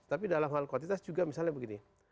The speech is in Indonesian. tapi dalam hal kuantitas juga misalnya begini